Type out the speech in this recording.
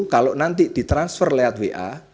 kalau nanti ditransfer lewat wa